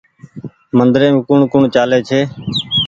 مندريم ڪوٚڻ ڪوٚڻ چآلي ڇي